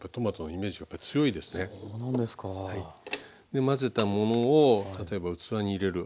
で混ぜたものを例えば器に入れる。